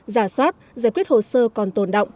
giả soát giải quyết hồ sơ còn tồn động